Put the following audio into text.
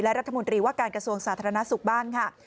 รัฐมนตรีว่าการกระทรวงสาธารณสุขบ้างค่ะ